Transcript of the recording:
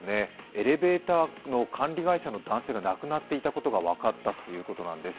エレベーターの管理会社の男性が亡くなっていたことが分かったということです。